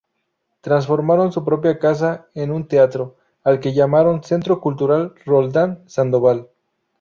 Transformaron su propia casa en un teatro, al que llamaron Centro Cultural Roldán Sandoval.